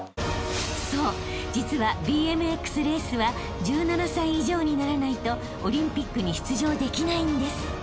［そう実はＢＭＸレースは１７歳以上にならないとオリンピックに出場できないんです］